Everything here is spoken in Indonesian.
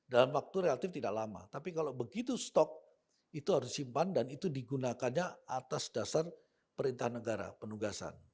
dalam waktu relatif tidak lama tapi kalau begitu stok itu harus disimpan dan itu digunakannya atas dasar perintah negara penugasan